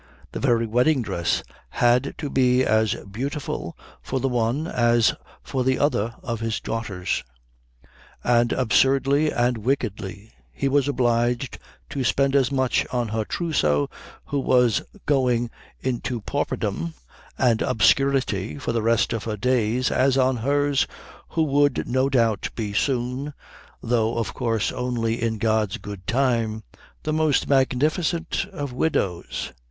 The very wedding dress had to be as beautiful for the one as for the other of his daughters; and, absurdly and wickedly, he was obliged to spend as much on her trousseau who was going into pauperdom and obscurity for the rest of her days as on hers who would no doubt be soon, though of course only in God's good time, the most magnificent of widows.